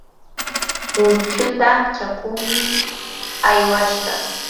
luychuta chakuqmi aywashqa.